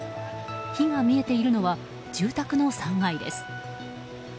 火が見えているのは住宅の３階です。